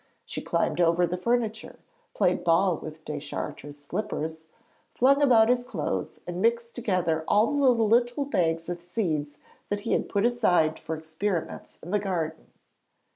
She climbed over the furniture, played ball with Deschartres' slippers, flung about his clothes, and mixed together all the little bags of seeds that he had put aside for experiments in the garden.